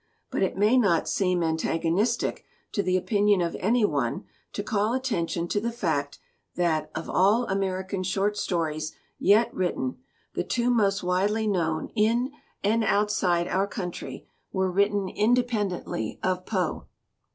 But it may not seem an tagonistic to the opinion of any one to call atten tion to the fact that, of all American short stories yet written, the two most widely known in and outside our country were written independently of Poe.